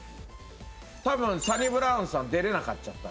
多分サニブラウンさん「出れなかっちゃった」